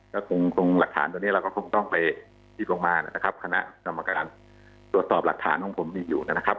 ก็คงหลักฐานตัวนี้เราก็คงต้องไปที่โรงพยาบาลนะครับคณะกรรมการตรวจสอบหลักฐานของผมมีอยู่นะครับ